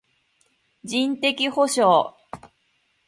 人的補償